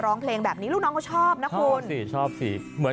ร้องเพลงแบบนี้ลูกชอบค่ะ